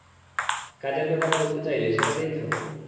কাজের ব্যাপারে বলতে চাইলে, সেটাতেই থাকো।